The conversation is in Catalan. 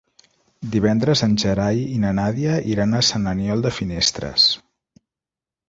Divendres en Gerai i na Nàdia iran a Sant Aniol de Finestres.